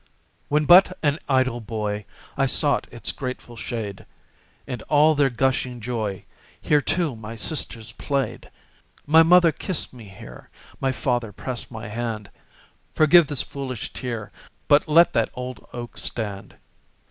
When but an idle boy, I sought its grateful shade; In all their gushing joy Here, too, my sisters played. My mother kissed me here; My father pressed my hand Forgive this foolish tear, But let that old oak stand!